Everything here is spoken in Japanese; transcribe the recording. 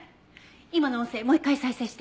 今の音声もう一回再生して。